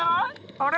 あれ？